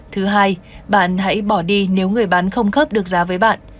thứ hai bạn hãy bỏ đi nếu người bán không khớp được giá với bạn